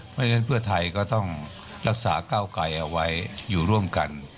เพราะฉะนั้นเพื่อไทยก็ต้องรักษาก้าวไกลเอาไว้อยู่ร่วมกัน